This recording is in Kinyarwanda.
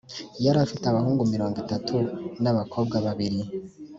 yari afite abahungu mirongo itatu n’ abakobwa babiri